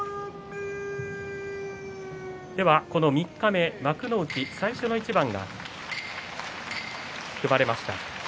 三日目、幕内最初の一番が組まれました。